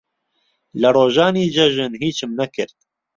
لە ڕۆژانی جەژن هیچم نەکرد.